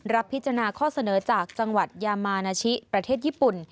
พิจารณาข้อเสนอจากจังหวัดยามานาชิประเทศญี่ปุ่น